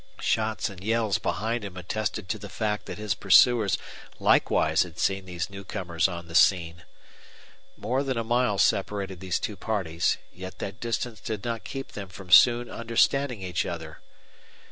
Shots and yells behind him attested to the fact that his pursuers likewise had seen these new comers on the scene. More than a mile separated these two parties, yet that distance did not keep them from soon understanding each other.